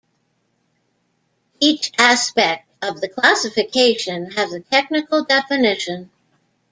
Each aspect of the classification has a technical definition.